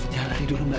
jangan tidur mbak